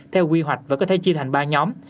theo quy hoạch và có thể chia thành ba nhóm